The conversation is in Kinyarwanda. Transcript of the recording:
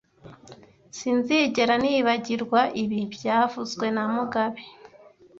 Sinzigera nibagirwa ibi byavuzwe na mugabe